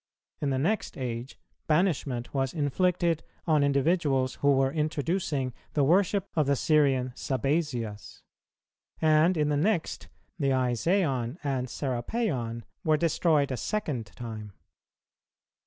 In the next age banishment was inflicted on individuals who were introducing the worship of the Syrian Sabazius; and in the next the Iseion and Serapeion were destroyed a second time.